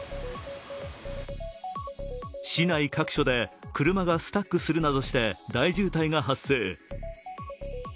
市内各所で車がスタックするなどして大渋滞が発生。